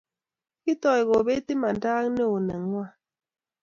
kitoy kobet imanda ak neo nengwai